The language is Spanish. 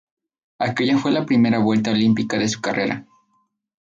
Aquella fue la primera vuelta olímpica de su carrera.